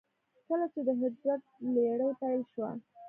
کله چې د هجرت لړۍ پيل شوه.